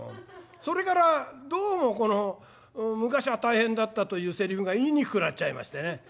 それからどうもこの「昔は大変だった」というセリフが言いにくくなっちゃいましてね。